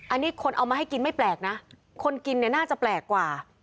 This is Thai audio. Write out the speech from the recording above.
อันนี้คนเอามาให้กินไม่แปลกนะคนกินเนี่ยน่าจะแปลกกว่า